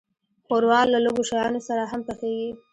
ښوروا له لږو شیانو سره هم پخیږي.